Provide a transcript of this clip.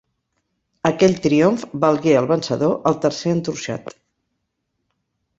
Aquell triomf valgué al vencedor el tercer entorxat.